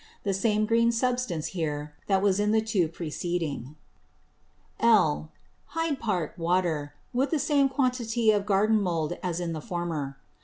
The same green Substance here, that was in the two preceding. (L.) Hyde Park Water, with the same Quantity of Garden mould as in the former.